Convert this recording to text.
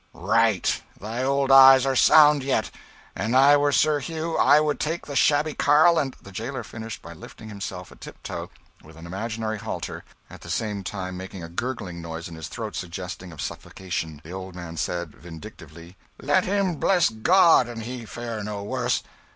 "Right! Thy old eyes are sound yet. An' I were Sir Hugh, I would take the shabby carle and " The jailer finished by lifting himself a tip toe with an imaginary halter, at the same time making a gurgling noise in his throat suggestive of suffocation. The old man said, vindictively "Let him bless God an' he fare no worse.